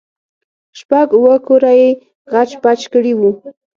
شپږ اوه کوره يې خچ پچ کړي وو.